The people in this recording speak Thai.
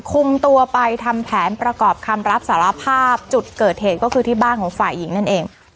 คุมตัวไปทำแผนประกอบคำรับสารภาพจุดเกิดเหตุก็คือที่บ้านของฝ่ายหญิงนั่นเอง